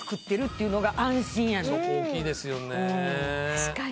確かに。